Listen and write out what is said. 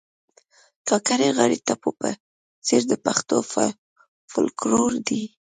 کاکړۍ غاړي ټپو په څېر د پښتو فولکور دي